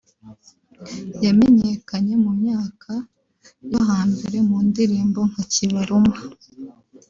yamenyekanye mu myaka yo hambere mu ndirimbo nka Kibaruma